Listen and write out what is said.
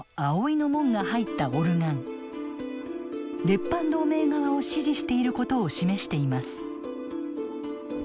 列藩同盟側を支持していることを示しています。